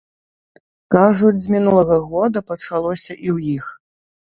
Кажуць, з мінулага года пачалося і ў іх.